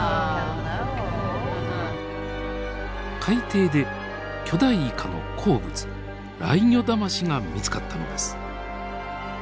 海底で巨大イカの好物ライギョダマシが見つかったのです。